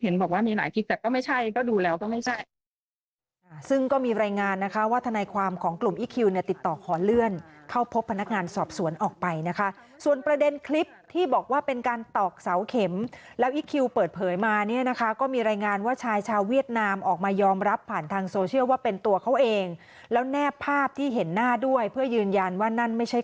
บอกว่ามีหลายคลิปแต่ก็ไม่ใช่ก็ดูแล้วก็ไม่ใช่